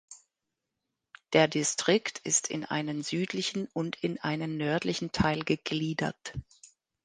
Der Distrikt ist in einen südlichen und in einen nördlichen Teil gegliedert.